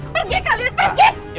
pergi kalian pergi